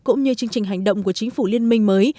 cũng như chương trình hành động của chính phủ liên minh mới